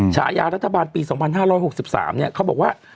ฉายารัฐบาลปี๒๕๖๓เขาบอกว่า